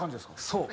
そう。